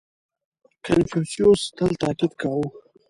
• کنفوسیوس تل تأکید کاوه.